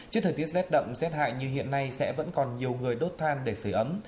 trước thời tiết rét đậm rét hại như hiện nay sẽ vẫn còn nhiều người đốt than để sửa ấm